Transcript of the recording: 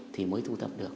thì mới thu thập được